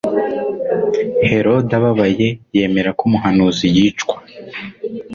Herode ababaye, yemera ko umuhanuzi yicwa.